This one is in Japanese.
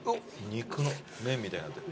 肉の麺みたいになってる。